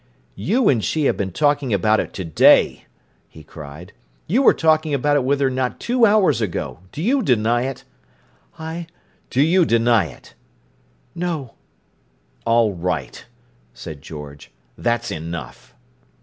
"You and she have been talking about it to day!" he cried. "You were talking about it with her not two hours ago. Do you deny it?" "I—" "Do you deny it?" "No!" "All right," said George. "That's enough!"